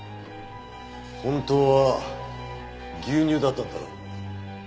本当は牛乳だったんだろ？